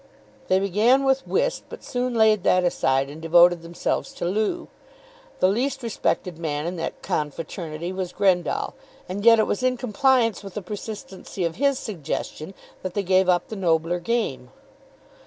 They began with whist, but soon laid that aside and devoted themselves to loo. The least respected man in that confraternity was Grendall, and yet it was in compliance with the persistency of his suggestion that they gave up the nobler game.